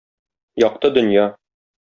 Якты дөнья.